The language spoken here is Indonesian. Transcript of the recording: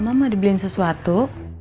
omah mau dibeliin sesuatu